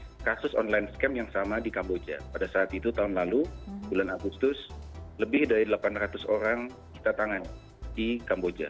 untuk kasus online scam yang sama di kamboja pada saat itu tahun lalu bulan agustus lebih dari delapan ratus orang kita tangan di kamboja